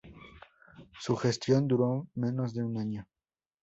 Su gestión duró menos de un año.